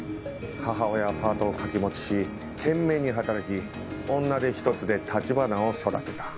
母親はパートを掛け持ちし懸命に働き女手ひとつで橘を育てた。